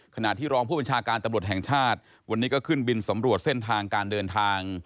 ขณะที่รองผู้บัญชาการตำรวจแห่งชาติวันนี้ก็ขึ้นบินสำรวจเส้นทางการเดินทาง